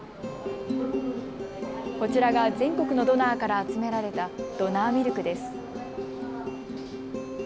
こちらが全国のドナーから集められたドナーミルクです。